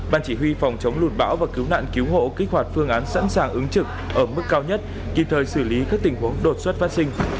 ban chỉ huy phòng chống lụt bão và cứu nạn cứu hộ kích hoạt phương án sẵn sàng ứng trực ở mức cao nhất kịp thời xử lý các tình huống đột xuất phát sinh